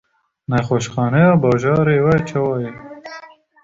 Nexweşxaneya bajarê we çawa ye?